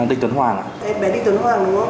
bé đích tuấn hoàng đúng không